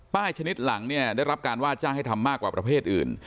ชนิดหลังเนี่ยได้รับการว่าจ้างให้ทำมากกว่าประเภทอื่น